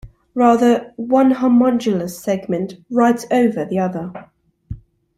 Rather, one homologous segment "writes over" the other.